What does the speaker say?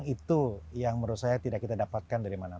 itu yang menurut saya tidak kita dapatkan dari mana